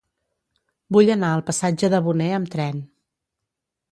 Vull anar al passatge de Boné amb tren.